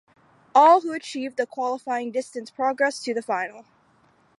All who achieve the qualifying distance progress to the final.